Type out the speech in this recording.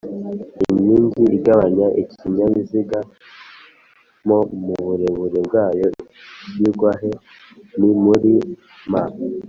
inkingi igabanya ikinyabiziga mo muburebure bwayo ishyirwahe? ni muri m ,